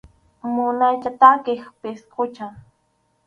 Munaycha takiq pisqucha.